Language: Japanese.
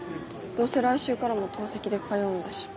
どうせ来週からも透析で通うんだし。